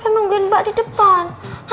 nungguin mbak di depan